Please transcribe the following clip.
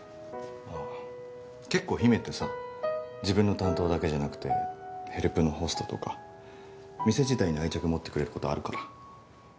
あぁけっこう姫ってさ自分の担当だけじゃなくてヘルプのホストとか店自体に愛着持ってくれることあるから。